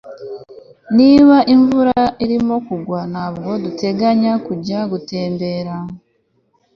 Niba imvura irimo kugwa ntabwo duteganya kujya gutembera